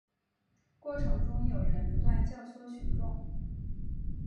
过程中有人不断教唆群众